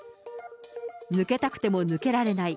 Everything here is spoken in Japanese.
抜けたくても抜けられない。